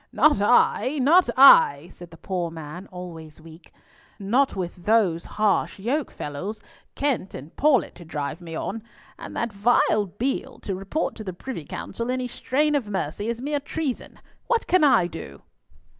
"Not I, not I!" said the poor man, always weak. "Not with those harsh yoke fellows Kent and Paulett to drive me on, and that viper Beale to report to the Privy Council any strain of mercy as mere treason. What can I do?"